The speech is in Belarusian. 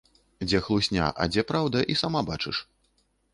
Дзе хлусня, а дзе праўда і сама бачыш.